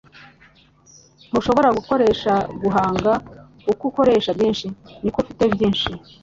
Ntushobora gukoresha guhanga. Uko ukoresha byinshi, ni ko ufite byinshi. ”